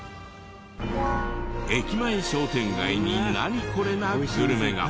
駅前商店街に「ナニコレ？」なグルメが。